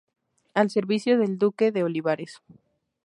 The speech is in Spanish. Al servicio del Duque de Olivares.